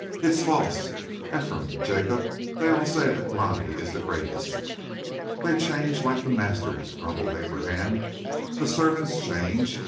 "It is false! Ephraim, Jacob, they all say that Glani is the greatest." "They change like the masters," grumbled Abraham. "The servants change.